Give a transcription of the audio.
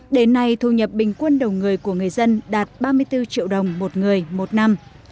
đến nay thu nhập bình quân đầu người của người dân đạt ba mươi bốn triệu đồng một người một năm